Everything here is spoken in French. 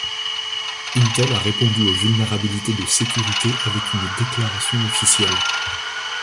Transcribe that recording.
Intel a répondu aux vulnérabilités de sécurité avec une déclaration officielle.